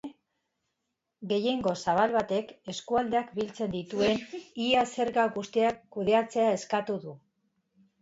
Gehiengo zabal batek eskualdeak biltzen dituen ia zerga guztiak kudeatzea eskatu du.